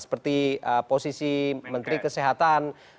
seperti posisi menteri kesehatan